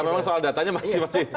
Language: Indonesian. memang soal datanya masih